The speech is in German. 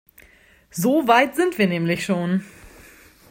So weit sind wir nämlich schon.